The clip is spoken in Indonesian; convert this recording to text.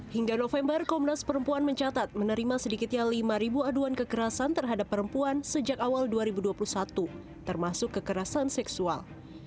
hingga november komnas perempuan mencatat menerima sedikitnya lima aduan kekerasan terhadap perempuan sejak awal dua ribu dua puluh satu termasuk kekerasan seksual